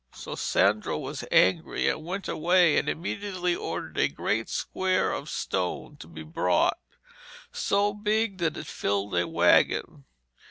So Sandro was angry, and went away and immediately ordered a great square of stone to be brought, so big that it filled a waggon.